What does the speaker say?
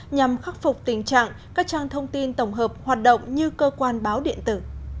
nhằm khắc phục tình trạng các trang thông tin tổng hợp hoạt động như cơ quan báo điện tử